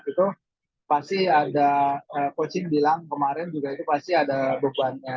itu pasti ada coaching bilang kemarin juga itu pasti ada bebannya